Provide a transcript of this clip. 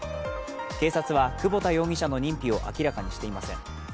警察は窪田容疑者の認否を明らかにしていません。